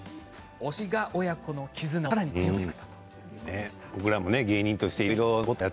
推しが親子の絆をさらに強くしたということです。